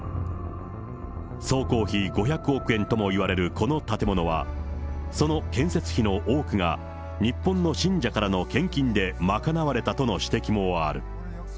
総工費５００億円ともいわれるこの建物は、その建設費の多くが日本の信者からの献金で賄われたとの指摘もある。